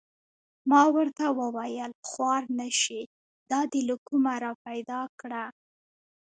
ما ورته و ویل: خوار نه شې دا دې له کومه را پیدا کړه؟